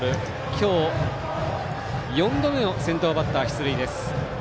今日、４度目の先頭バッター出塁。